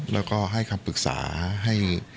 แล้วก็ให้คำปรึกษาให้